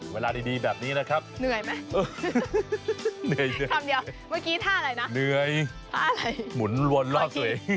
เวลาดีแบบนี้แหละครับ